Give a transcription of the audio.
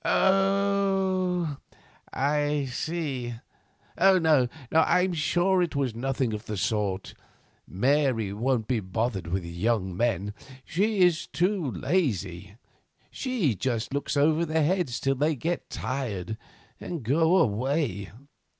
"Oh! I see. No, I am sure it was nothing of that sort. Mary won't be bothered with young men. She is too lazy; she just looks over their heads till they get tired and go away.